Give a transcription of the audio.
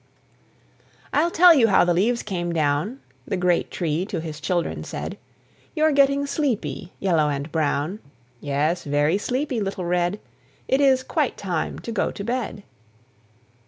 "I'll tell you how the leaves came down," The great Tree to his children said: "You're getting sleepy, Yellow and Brown, Yes, very sleepy, little Red. It is quite time to go to bed."